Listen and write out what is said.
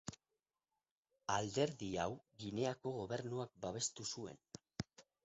Alderdi hau Gineako gobernuak babestu zuen.